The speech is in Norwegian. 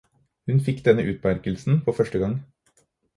Hun fikk denne utmerkelsen for første gang.